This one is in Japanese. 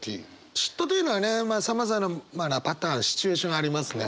嫉妬というのはねまあさまざまなパターンシチュエーションありますね。